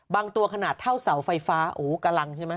ตัวขนาดเท่าเสาไฟฟ้าโอ้กำลังใช่ไหม